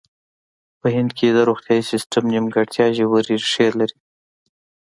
په هند کې د روغتیايي سیستم نیمګړتیا ژورې ریښې لري.